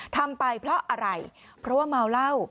ทำไปเพราะอะไรเพราะว่าเมาเหล้า